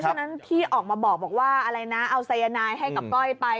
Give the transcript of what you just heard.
เพราะฉะนั้นพี่ออกมาบอกว่าเอาสายนายให้กับก้อยไป